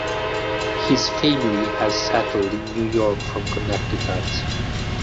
His family had settled in New York from Connecticut.